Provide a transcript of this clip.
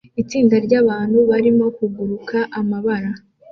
Itsinda ryabantu barimo kuguruka amabara